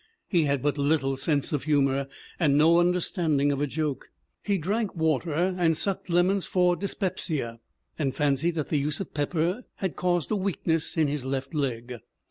He had but little sense of humor, and no understanding of a joke. He drank water and sucked lemons for dyspepsia, and fancied that the use of pepper had caused a weakness in his left leg.